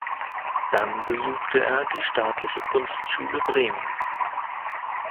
Dann besuchte er die Staatliche Kunstschule Bremen.